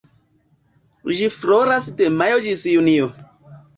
Ĝi floras de majo ĝis junio.